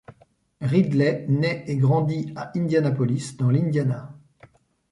Ridley naît et grandit à Indianapolis, dans l'Indiana.